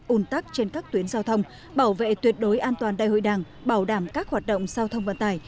un tắc trên các tuyến giao thông bảo vệ tuyệt đối an toàn đại hội đảng bảo đảm các hoạt động giao thông vận tải